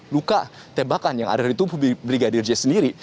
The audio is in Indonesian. luka tembakan yang ada di tubuh brigadir j sendiri